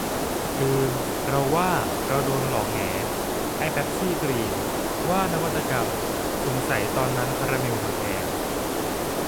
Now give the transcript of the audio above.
อืม เราว่า เราโดนหลอกแหง ไอ้เป็ปซี่กรีน ว่านวัตกรรม สงสัยตอนนั้นคาราเมลมันแพง